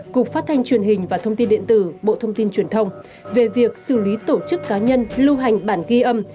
cục phát thanh truyền hình và thông tin điện tử bộ thông tin truyền thông về việc xử lý tổ chức cá nhân lưu hành bản ghi âm